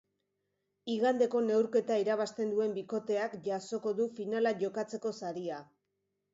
Igandeko neurketa irabazten duen bikoteak jasoko du finala jokatzeko saria.